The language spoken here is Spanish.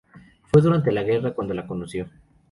Fue durante la guerra, cuando la conoció.